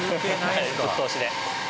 はいぶっ通しで。